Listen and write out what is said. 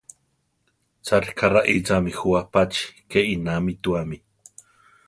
Cha ríka raíchami jú apachí, ke inámituami.